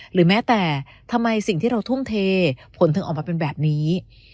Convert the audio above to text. หรือแม้แต่ทำไมสิ่งที่เราทุ่มเทผลถึงออกมาเป็นแบบนี้